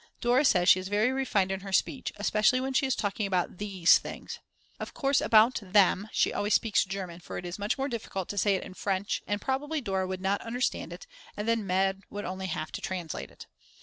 Dora says she is very refined in her speech, especially when she is talking about these things. Of course about them she always speaks German, for it's much more difficult to say it in French, and probably Dora would not understand it and then Mad. would only have to translate it.